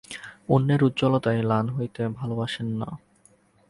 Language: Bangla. অন্যের উজ্জ্বলতায় ম্লান হতে ভালোবাসেন না।